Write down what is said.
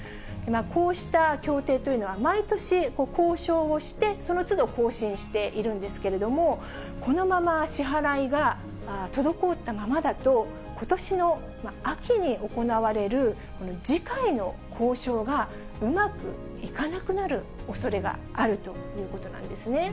こうした協定というのは、毎年交渉して、そのつど更新しているんですけれども、このまま支払いが滞ったままだと、ことしの秋に行われる次回の交渉が、うまくいかなくなるおそれがあるということなんですね。